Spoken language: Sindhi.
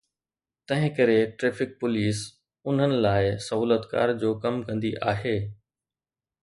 تنهنڪري ٽريفڪ پوليس انهن لاءِ سهولتڪار جو ڪم ڪندي آهي.